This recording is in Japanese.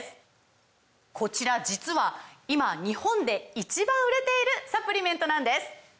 こちら実は今日本で１番売れているサプリメントなんです！